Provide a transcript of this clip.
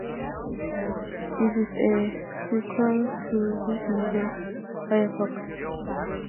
It is a sequel to his novel "Firefox".